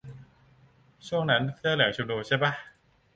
ช่วงนั้นเสื้อเหลืองชุมนุมใช่ป่ะ